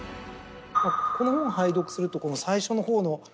この本を拝読するとこの最初のほうの。